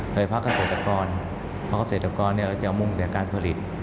โดยภาคเกษตรกรเราจะมุ่งแต่การผลิต